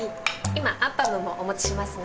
今アッパムもお持ちしますね。